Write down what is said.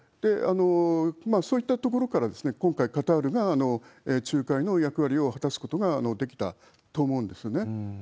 そういったところから、今回、カタールが仲介の役割を果たすことができたと思うんですよね。